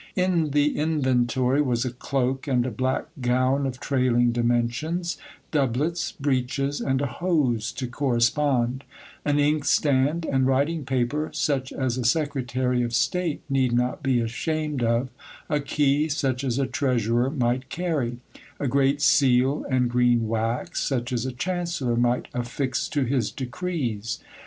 In the inventory was a cloak and a black gown of trailing dimensions ; doublets, breeches, and hose to correspond ; an inkstand and writing paper, such as a secretary of state need not be ashamed of ; a key, such as a treasurer might carry ; a great seal and green wax, such as a chancellor might affix to his decrees.